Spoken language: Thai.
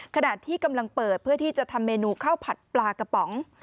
ขณะที่กำลังเปิดเพื่อที่จะทำเมนูข้าวผัดปลากระป๋อง